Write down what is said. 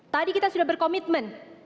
tadi kita sudah berkomitmen